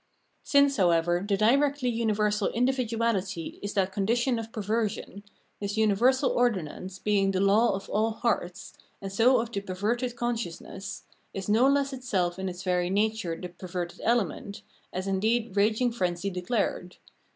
Since, however, the directly universal individuahty is that condition of perversion, this universal ordinance, being the law of all hearts, and so of the perverted con sciousness, is no less itself in its very nature the per verted element, as indeed raging frenzy declared.